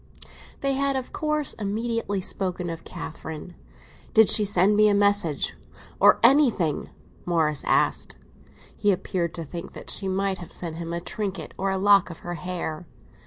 XVI THEY had of course immediately spoken of Catherine. "Did she send me a message, or—or anything?" Morris asked. He appeared to think that she might have sent him a trinket or a lock of her hair.